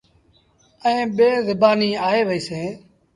ائيٚݩ ٻيٚن زبآنيٚن آئي وهيٚسيٚݩ۔